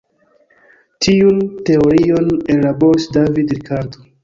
Tiun teorion ellaboris David Ricardo.